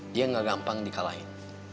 dia gak gampang dikalahin